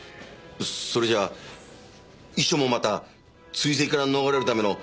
それじゃ遺書もまた追跡から逃れるための方便だと？